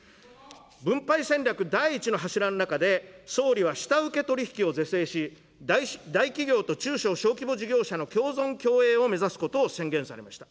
分配戦略第１の柱の中で、総理は下請け取り引きを是正し、大企業と中小小規模事業者の共存共栄を目指すことを宣言されました。